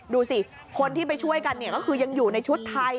ดูสิคนที่ไปช่วยกันก็คือยังอยู่ในชุดไทย